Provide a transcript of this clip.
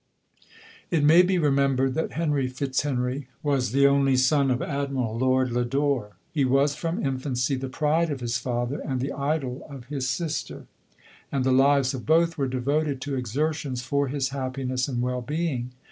It may be remembered, that Henry Fitz henry was the only son of Admiral Lord Lodore. He was, from infancy, the pride of his father and the idol of his sister ; and the lives of both were devoted to exertions for his happiness and well being.